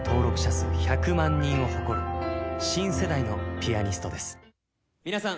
数１００万人を誇る新世代のピアニストです皆さん